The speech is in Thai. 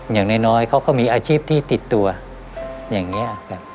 อย่างน้อยน้อยเขาก็มีอาชีพที่ติดตัวอย่างเงี้ย